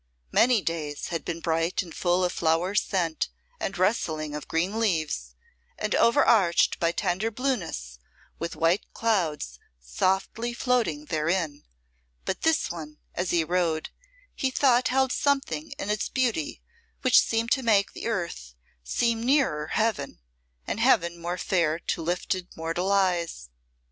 Many days had been bright and full of flower scent and rustling of green leaves, and overarched by tender blueness with white clouds softly floating therein, but this one, as he rode, he thought held something in its beauty which seemed to make the earth seem nearer Heaven and Heaven more fair to lifted mortal eyes.